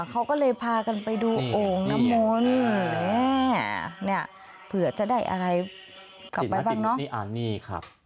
เขาก็เลยพากันไปดูโอ่งนมนต์เนี่ยเผื่อจะได้อะไรกลับไปบ้างเนอะนี่อ่ะนี่ค่ะ